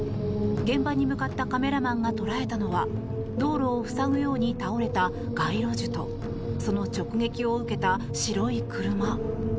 現場に向かったカメラマンが捉えたのは道路を塞ぐように倒れた街路樹とその直撃を受けた白い車。